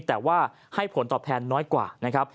แต่ว่าให้ผลตอบแทนน้อยกว่านะครับ